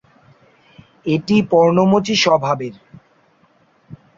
এটি পর্ণমোচী স্বভাবের।